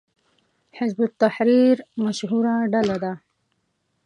حزب التحریر مشهوره ډله ده